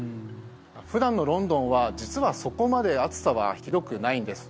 普段のロンドンは、実はそこまで暑さはひどくないんです。